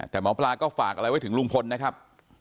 แต่หมอปลาก็ฝากอะไรไว้ถึงลุงพลนะครับ